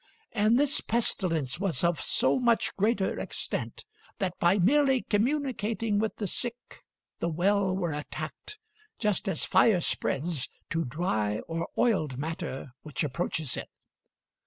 And this pestilence was of so much greater extent that by merely communicating with the sick the well were attacked, just as fire spreads to dry or oiled matter which approaches it....